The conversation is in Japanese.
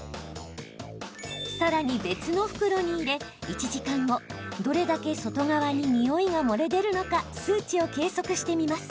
さらに別の袋に入れ１時間後、どれだけ外側ににおいが漏れ出るのか数値を計測してみます。